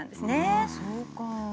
そうか。